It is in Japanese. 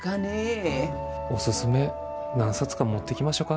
おすすめ何冊か持ってきましょか。